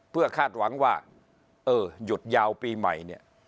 เพื่อคาดหวังว่าเออหยุดยาวปีใหม่เนี่ย